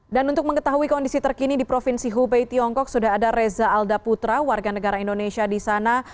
dan untuk mengetahui kondisi terkini di provinsi hubei tiongkok sudah ada reza alda putra warga negara indonesia di sana